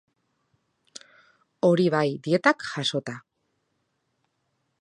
Hori bai, dietak jasota.